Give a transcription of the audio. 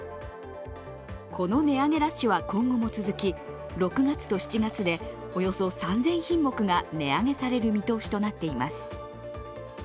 この値上げラッシュは今後も続き６月と７月でおよそ３０００品目が値上げされる見通しとなっています。